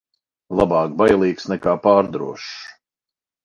Labāk bailīgs nekā pārdrošs.